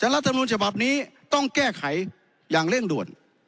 รัฐธรรมนูญฉบับนี้ต้องแก้ไขอย่างเร่งรวด